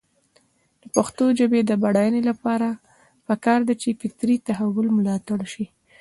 د پښتو ژبې د بډاینې لپاره پکار ده چې فطري تحول ملاتړ شي.